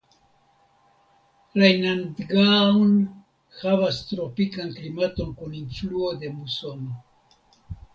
Rajnandgaon havas tropikan klimaton kun influo de musono.